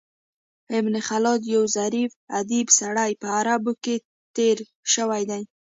ابن خلاد یو ظریف ادیب سړی په عربو کښي تېر سوى دﺉ.